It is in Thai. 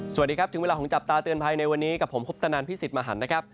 สวัสดีครับถึงเวลาของจับตาเตือนภัยในวันนี้กับผมคุปตนันพิสิทธิ์มหันนะครับ